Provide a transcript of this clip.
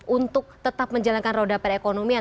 untuk tetap menjalankan roda perekonomian